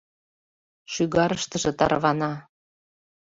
Шӱгарыштыже тарвана